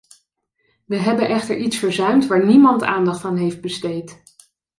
We hebben echter iets verzuimd waar niemand aandacht aan heeft besteed.